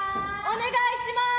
お願いします！